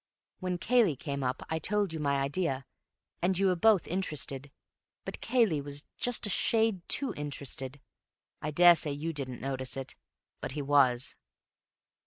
When Cayley came up, I told you my idea and you were both interested. But Cayley was just a shade too interested. I daresay you didn't notice it, but he was."